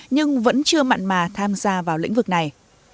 nhưng vẫn chưa mặn mà tham gia vào lĩnh vực này